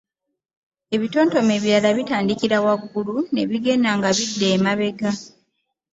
Ebitontome ebirala bitandikira waggulu ne bigenda nga bidda emabega.